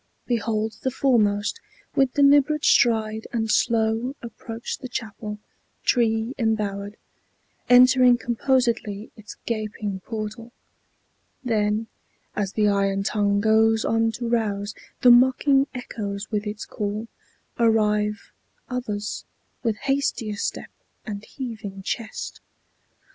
Behold the foremost, with deliberate stride And slow, approach the chapel, tree embowered, Entering composedly its gaping portal; Then, as the iron tongue goes on to rouse The mocking echoes with its call, arrive Others, with hastier step and heaving chest.